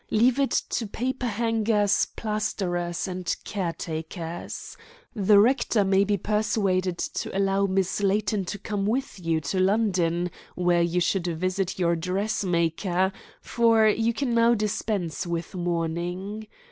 Leave it to paperhangers, plasterers, and caretakers. The rector may be persuaded to allow Miss Layton to come with you to London, where you should visit your dressmaker, for you can now dispense with mourning.